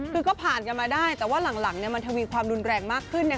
คือก็ผ่านกันมาได้แต่ว่าหลังมันทวีความรุนแรงมากขึ้น